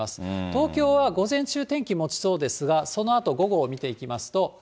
東京は午前中天気もちそうですが、そのあと午後を見ていきますと。